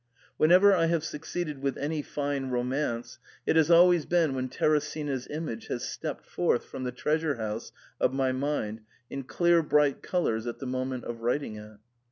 Whenever I have succeeded with any fine romance^ it has always been when Teresina's image has stepped forth from the treasure house of my mind in clear bright colours at the moment of writing it."